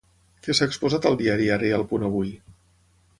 Què s'ha exposat al diari Ara i al Punt Avui?